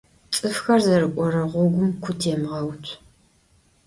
ЦӀыфхэр зэрыкӀорэ гъогум ку темгъэуцу.